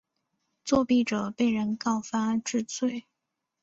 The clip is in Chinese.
作弊者被人告发治罪。